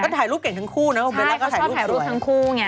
ช่วยถ่ายรูปสุดท้อง